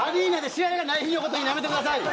試合がない日のことを言うのはやめてください。